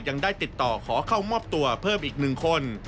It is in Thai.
ยังได้ติดต่อขอเข้ามอบตัวเพิ่มอีก๑คน